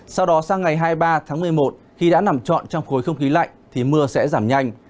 sau đó sang ngày hai mươi ba tháng một mươi một khi đã nằm trọn trong khối không khí lạnh thì mưa sẽ giảm nhanh